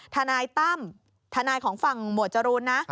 ทนายตั้มทนายของฝั่งหมวดจรูนนะ